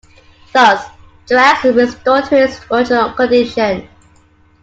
Thus, Drax is restored to his original condition.